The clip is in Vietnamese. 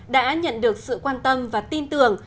đã nhận được sự quan tâm và tin tưởng